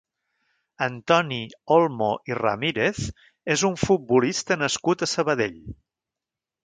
Antoni Olmo i Ramírez és un futbolista nascut a Sabadell.